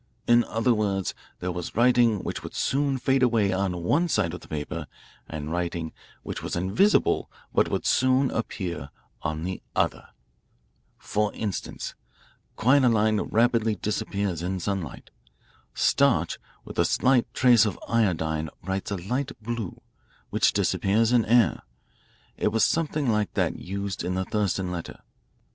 In other words, there was writing which would soon fade away on one side of the paper and writing which was invisible but would soon appear on the other. "For instance, quinoline rapidly disappears in sunlight. Starch with a slight trace of iodine writes a light blue, which disappears in air. It was something like that used in the Thurston letter.